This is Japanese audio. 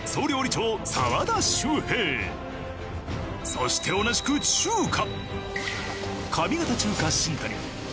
そして同じく中華。